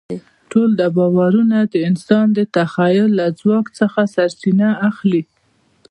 ټول دا باورونه د انسان د تخیل له ځواک څخه سرچینه اخلي.